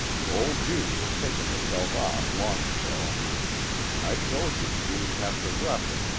"Old Judy has taken herself off long ago. I told you you'd have to rough it eh?